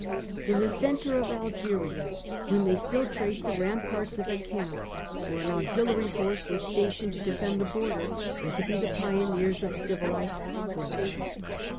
In the centre of Algeria we may still trace the ramparts of a camp where an auxiliary force was The inscrip Stationed to defend the border and to be the c^p pioneers of civilized progress.